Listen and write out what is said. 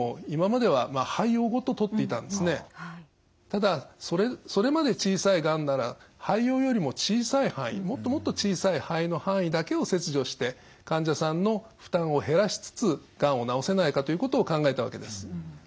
ただそれまで小さいがんなら肺葉よりも小さい範囲もっともっと小さい肺の範囲だけを切除して患者さんの負担を減らしつつがんを治せないかということを考えたわけです。